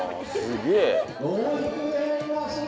すげえ。